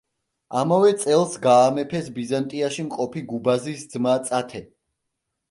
ამავე წელს გაამეფეს ბიზანტიაში მყოფი გუბაზის ძმა წათე.